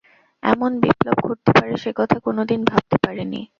এমন বিপ্লব ঘটতে পারে সে-কথা কোনোদিন ভাবতে পারি নি।